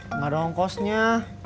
gak ada ongkosnya